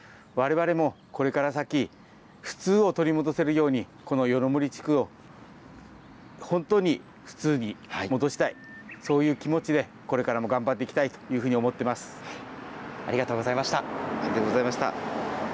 われわれもこれから先、普通を取り戻せるように、この夜の森地区を本当に普通に戻したい、そういう気持ちでこれからも頑張っていきたいというふうに思ってありがとうございました。